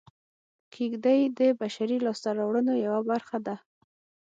کېږدۍ د بشري لاسته راوړنو یوه برخه ده